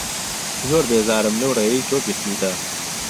زۆر بێزارم لهو رێیهی تۆ گرتووته